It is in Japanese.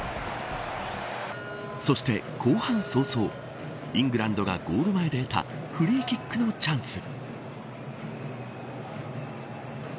そして、後半早々イングランドがゴール前で得たフリーキックのチャンス。